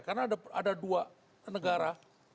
karena ada dua negara